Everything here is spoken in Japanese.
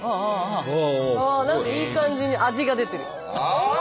何かいい感じに味が出てる。